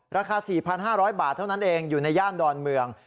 ราคา๔๕๐๐บาทเท่านั้นเองอยู่ในย่านดอนเมือง